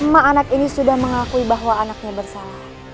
lima anak ini sudah mengakui bahwa anaknya bersalah